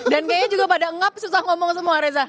dan kayaknya juga pada ngap susah ngomong semua reza